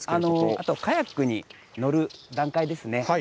あとカヤックに乗る段階ですね。